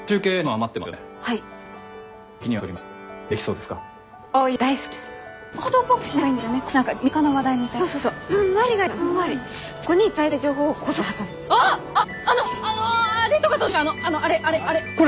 あのあれあれあれ。